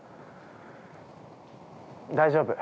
大丈夫。